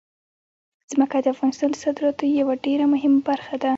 ځمکه د افغانستان د صادراتو یوه ډېره مهمه برخه ده.